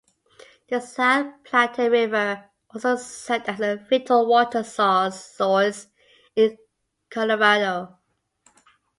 The South Platte River also served as a vital water source in Colorado.